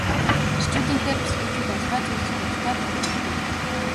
Эрчүүдийнхээр бүсгүйчүүд аливаа зүйлд бодитоор ханддаггүй.